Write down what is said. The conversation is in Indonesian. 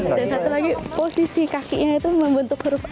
iya dan satu lagi posisi kakinya itu membentuk huruf m